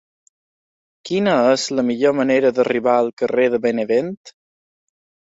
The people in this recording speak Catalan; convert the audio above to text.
Quina és la millor manera d'arribar al carrer de Benevent?